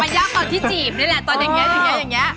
ยากตอนที่จีบนี่แหละตอนอย่างนี้อย่างนี้